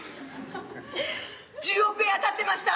１０億円当たってました。